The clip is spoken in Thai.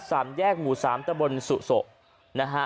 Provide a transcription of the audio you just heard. สามแยกหมู่สามตะบนสุโสนะฮะ